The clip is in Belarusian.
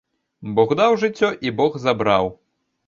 Бог даў жыццё і бог забраў.